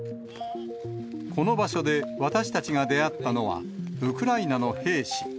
この場所で、私たちが出会ったのは、ウクライナの兵士。